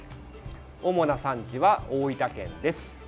主な産地は大分県です。